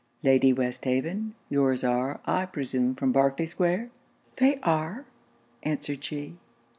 Lady Westhaven, your's are, I presume, from Berkley square?' 'They are,' answered she.